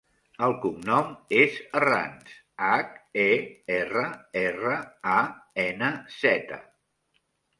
El cognom és Herranz: hac, e, erra, erra, a, ena, zeta.